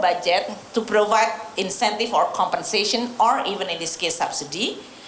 berharga untuk memiliki insentif kompensasi atau bahkan subsidi